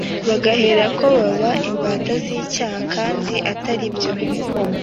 bagaherako baba imbata zicyaha kandi ataribyo